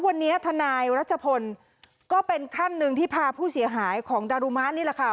วันนี้ทนายรัชพลก็เป็นท่านหนึ่งที่พาผู้เสียหายของดารุมะนี่แหละค่ะ